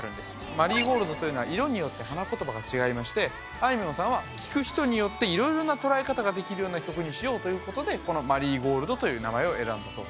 マリーゴールドというのは色によって花言葉が違いましてあいみょんさんは聴く人によって色々な捉え方ができるような曲にしようということでこの「マリーゴールド」という名前を選んだそうです